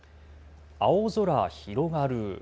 青空広がる。